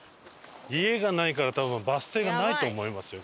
家がないから多分バス停がないと思いますよ